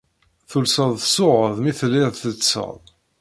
Tulsed tsuɣed mi tellid teḍḍsed.